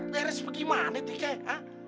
beres bagaimana tikeh